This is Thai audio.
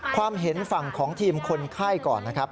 ความเห็นฝั่งของทีมคนไข้ก่อนนะครับ